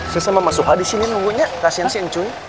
saya sama ma suka disini nunggunya kasihan sihan cu